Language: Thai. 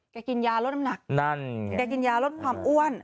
แก่กินยาลดอ้ำหนักแก่กินยาลดความอ้วน